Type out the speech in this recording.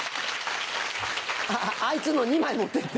あいつの２枚持ってって。